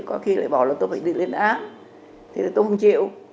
có khi lại bảo là tôi phải đi lên áp thế là tôi không chịu